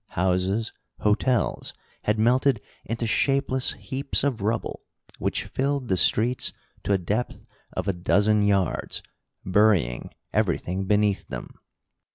Houses, hotels had melted into shapeless heaps of rubble, which filled the streets to a depth of a dozen yards, burying everything beneath them.